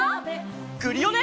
クリオネ！